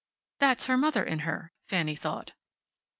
"That's her mother in her," Fanny thought.